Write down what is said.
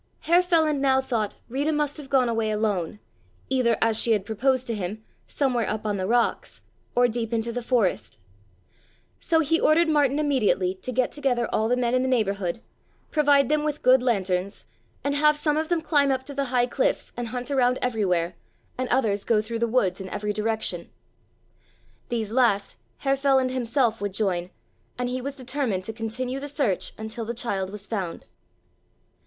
Herr Feland now thought Rita must have gone away alone, either as she had proposed to him, somewhere up on the rocks, or deep into the forest. So he ordered Martin immediately to get together all the men in the neighborhood, provide them with good lanterns, and have some of them climb up to the high cliffs and hunt around everywhere and others go through the woods in every direction. These last Herr Feland himself would join, and he was determined to continue the search until the child was found.